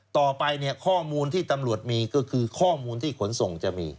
ต่อไปเนี่ยข้อมูลที่ตำรวจมีก็คือข้อมูลที่ขนส่งจะมี